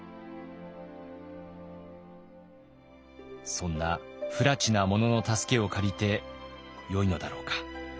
そんなふらちな者の助けを借りてよいのだろうか。